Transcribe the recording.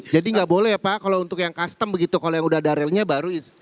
jadi gak boleh ya pak kalau untuk yang custom begitu kalau yang udah ada relnya baru